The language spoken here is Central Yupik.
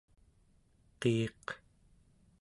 qiiq